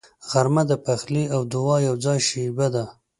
غرمه د پخلي او دعا یوځای شیبه ده